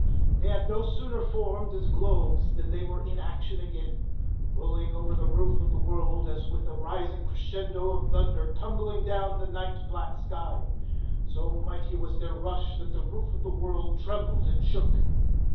They had no sooner formed as globes than they were in action again, rolling over the roof of the world as with a rising crescendo of thunder tumbling down the night black sky. So mighty was their rush that the roof of the world trembled and shook.